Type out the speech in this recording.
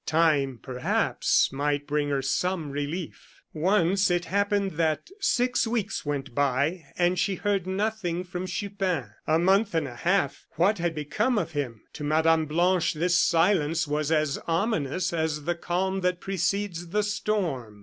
Time, perhaps, might bring her some relief. Once it happened that six weeks went by, and she heard nothing from Chupin. A month and a half! What had become of him? To Mme. Blanche this silence was as ominous as the calm that precedes the storm.